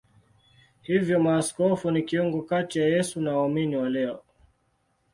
Hivyo maaskofu ni kiungo kati ya Yesu na waumini wa leo.